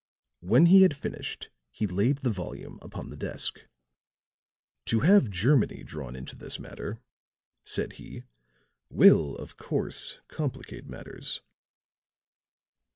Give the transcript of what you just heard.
When he had finished he laid the volume upon the desk. "To have Germany drawn into this matter," said he, "will of course complicate matters."